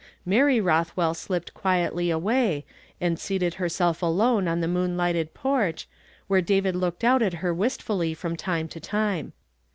:Mary llotliwell slipped (piietly away, and seated herself alone on the moonlighted porcli, where David looked out at lier wistfully from time to time.